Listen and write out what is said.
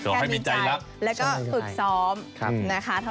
ก็ให้มีใจและฝึกซ้อม